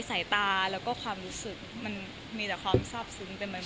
สายตาแล้วก็ความรู้สึกมันมีแต่ความทราบซึ้งไปหมด